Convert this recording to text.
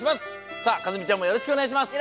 さあ一実ちゃんもよろしくおねがいします！